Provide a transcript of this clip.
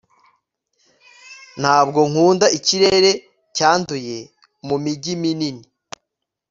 ntabwo nkunda ikirere cyanduye mumijyi minini